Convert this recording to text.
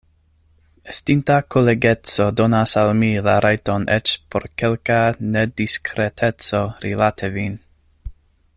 Estinta kolegeco donas al mi la rajton eĉ por kelka nediskreteco rilate vin.